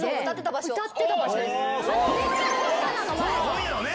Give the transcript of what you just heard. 本屋のね！